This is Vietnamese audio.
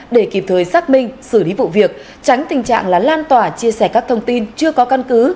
để kịp thời xác minh xử lý vụ việc tránh tình trạng là lan tỏa chia sẻ các thông tin chưa có căn cứ